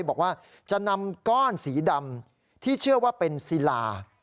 บอกว่าจะนำก้อนสีดำที่เชื่อว่าเป็นศิลา